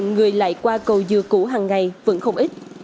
người lại qua cầu dừa cũ hằng ngày vẫn không ít